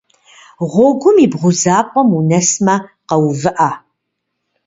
Гъуэгум и бгъузапӏэм унэсмэ, къэувыӏэ.